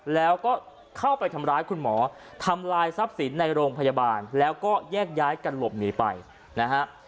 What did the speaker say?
แล้วก็เข้าไปทำร้ายคุณหมอทำลายทรัพย์สินในโรงพยาบาลแล้วก็แยกย้ายกันหลบหนีไปนะฮะ